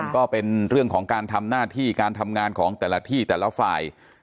ก็เป็นเรื่องของการทำหน้าที่การทำงานของแต่ละที่แต่ละฝ่าย